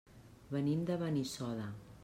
Venim de Benissoda.